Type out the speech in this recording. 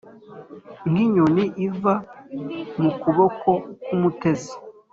nk’inyoni iva mu kuboko k’umutezi